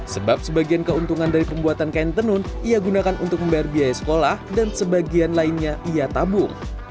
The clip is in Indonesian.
sebab sebagian keuntungan dari pembuatan kain tenun ia gunakan untuk membayar biaya sekolah dan sebagian lainnya ia tabung